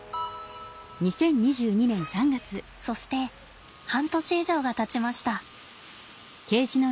そして半年以上がたちました。